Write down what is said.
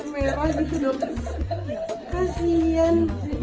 merah gitu dong kasian